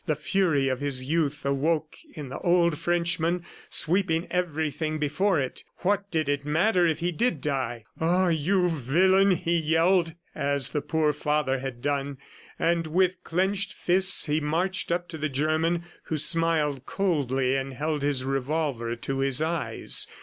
The fury of his youth awoke in the old Frenchman, sweeping everything before it. What did it matter if he did die? ... "Ah, you villain!" he yelled, as the poor father had done. And with clenched fists he marched up to the German, who smiled coldly and held his revolver to his eyes.